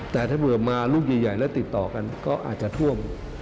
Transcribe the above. แต่ถ้าเผื่อมาลูกใหญ่แล้วติดต่อกันก็อาจจะท่วม